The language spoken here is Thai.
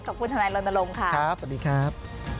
ขอบคุณธนายรณรมค่ะสวัสดีครับ